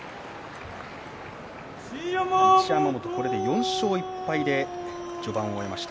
一山本、これで４勝１敗で序盤を終えました。